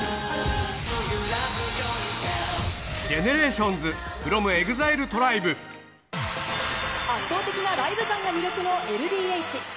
ＧＥＮＥＲＡＴＩＯＮＳｆｒｏｍＥＸＩＬＥＴＲＩＢＥ圧倒的なライブ感が魅力のＬＤＨ。